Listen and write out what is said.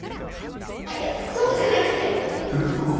あっいやそうじゃなくて！